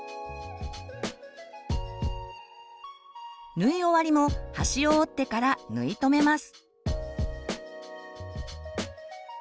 縫い終わりも端を折ってから縫い留めます。